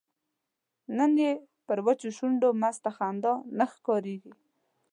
نن یې پر وچو شونډو مسته خندا نه ښکاریږي